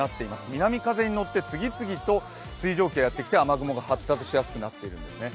南風に乗って次々と水蒸気がやって来て雨雲が発達しやすくなっているんですね。